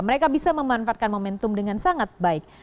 mereka bisa memanfaatkan momentum dengan sangat baik